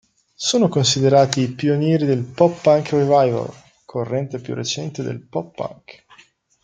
Sono considerati i pionieri del "pop punk revival", corrente più recente del pop punk.